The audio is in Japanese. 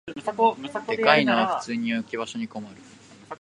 でかいのは普通に置き場所に困る